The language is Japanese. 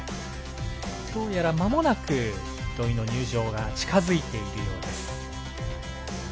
どうやらまもなく土居の入場が近づいているようです。